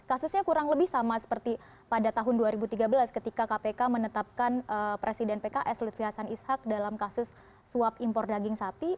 kasusnya kurang lebih sama seperti pada tahun dua ribu tiga belas ketika kpk menetapkan presiden pks lutfi hasan ishak dalam kasus suap impor daging sapi